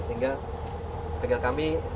sehingga bengkel kami